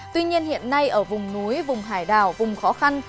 tuy nhiên hiện nay ở vùng núi vùng hải đảo vùng khó khăn